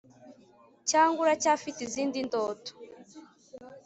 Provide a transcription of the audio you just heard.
cyangwa uracyafite izindi ndoto?